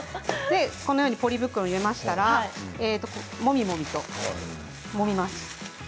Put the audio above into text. ポリ袋に入れましたらもみもみと、もみます。